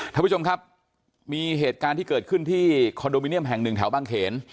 ท่านผู้ชมครับมีเหตุการณ์ที่เกิดขึ้นที่คอนโดมิเนียมแห่งหนึ่งแถวบางเขน